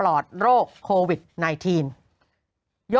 โหยวายโหยวายโหยวายโหยวาย